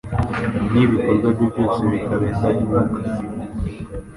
n’ibikorwa bye byose bikaba indahinyuka